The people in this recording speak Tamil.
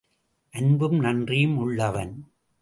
அன்பும் நன்றியும் உள்ளவன்.